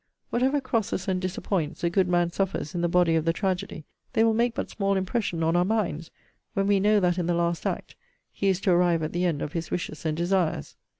'Whatever crosses and disappoints a good man suffers in the body of the tragedy, they will make but small impression on our minds, when we know, that, in the last act, he is to arrive at the end of his wishes and desires.